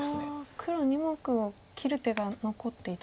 黒２目を切る手が残っていたんですか。